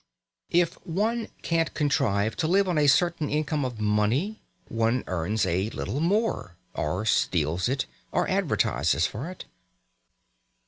If one can't contrive to live on a certain income of money, one earns a little more or steals it, or advertises for it.